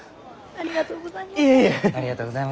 ありがとうございます。